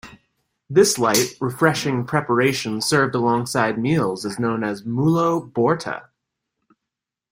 This light, refreshing preparation served alongside meals is known as "mulo bhorta".